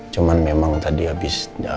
cuman memang tadi abis